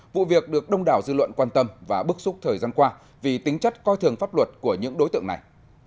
vụ việc được đông đảo dư luận quan tâm và bức xúc thời gian qua vì tính chất coi thường pháp luật của những đối tượng này